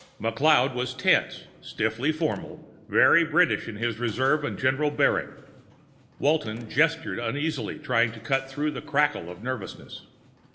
McLeod was tense, stiffly formal, very British in his reserve and general bearing. Walton gestured uneasily, trying to cut through the crackle of nervousness.